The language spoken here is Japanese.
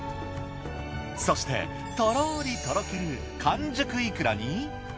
そしてとろりとろける完熟いくらに。